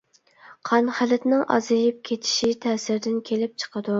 قان خىلىتىنىڭ ئازىيىپ كېتىشى تەسىرىدىن كېلىپ چىقىدۇ.